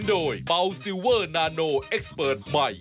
เดี๋ยวมาครับ